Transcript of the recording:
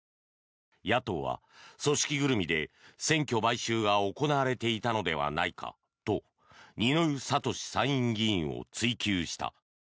野党は組織ぐるみで選挙買収が行われていたのではないかと二之湯智参院議員を追及した。